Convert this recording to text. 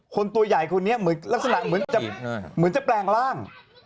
ตัวใหญ่คนนี้เหมือนลักษณะเหมือนจะแปลงร่าง